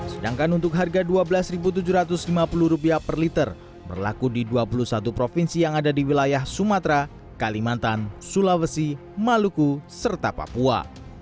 sedangkan untuk harga rp dua belas tujuh ratus lima puluh per liter berlaku di dua puluh satu provinsi yang ada di wilayah sumatera kalimantan sulawesi maluku serta papua